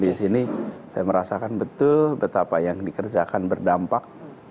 di sini saya merasakan betul betapa yang dikerjakan berdampak